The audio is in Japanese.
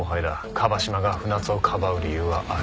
椛島が船津をかばう理由はある。